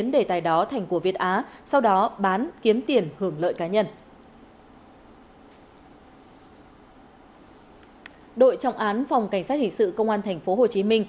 đội trọng án phòng cảnh sát hình sự công an tp hcm